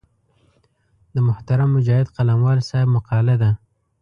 د محترم مجاهد قلموال صاحب مقاله ده.